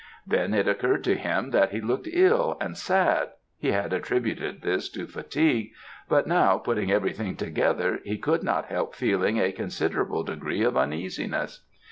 Then it occurred to him that he looked ill and sad he had attributed this to fatigue; but now, putting everything together, he could not help feeling a considerable degree of uneasiness.